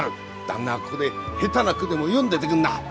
旦那はここで下手な句でも詠んでてくんな。